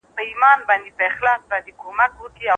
دوی وویل چې موږ باید عملي تګلارې ولرو.